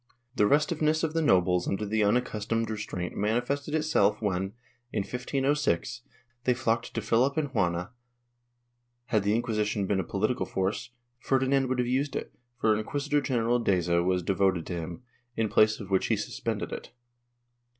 The restiveness of the nobles under the unaccustomed restraint manifested itself when, in 1506, they flocked to Philip and Juana, had the Inquisition been a political force, Ferdinand would have used it, for Inquisitor general Deza was devoted to him, in place of which he suspended it.